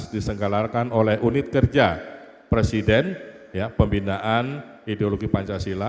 disenggalarkan oleh unit kerja presiden pembinaan ideologi pancasila